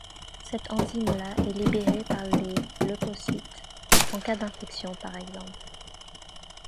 Cette enzyme-là est libérée par les leucocytes en cas d'infection, par exemple.